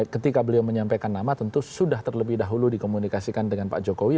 ketika beliau menyampaikan nama tentu sudah terlebih dahulu dikomunikasikan dengan pak jokowi